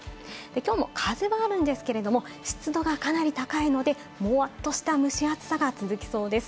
きょうも風はあるんですけれども、湿度がかなり高いので、もわっとした蒸し暑さが続きそうです。